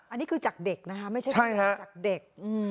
อันนี้คือจากเด็กนะฮะไม่ใช่จากเด็ก